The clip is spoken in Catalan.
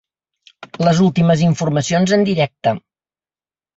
Les últimes informacions en directe.